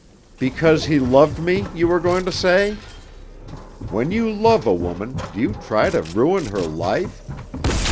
"Because he loved me, you were going to say? When you love a woman, do you try to ruin her life?